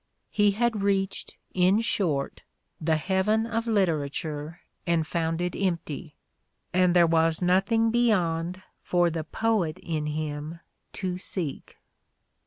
He had reached, in short, the heaven of literature and found it empty, and there was nothing beyond for the poet in him to seek.